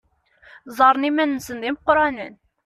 Ẓẓaren iman-nsen d imeqqranen.